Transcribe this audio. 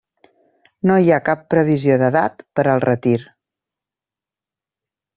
No hi ha cap previsió d'edat per al retir.